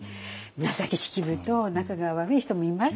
紫式部と仲が悪い人もいます。